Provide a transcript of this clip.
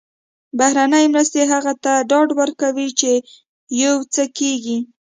بهرنۍ مرستې هغوی ته ډاډ ورکوي چې یو څه کېږي.